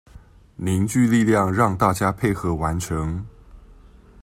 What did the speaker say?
凝聚力量讓大家配合完成